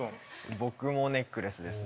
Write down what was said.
僕もネックレスですね